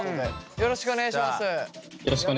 よろしくお願いします。